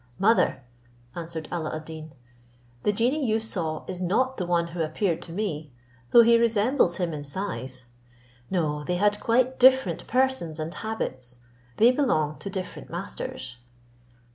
"Mother," answered Alla ad Deen, "the genie you saw is not the one who appeared to me, though he resembles him in size; no, they had quite different persons and habits; they belong to different masters.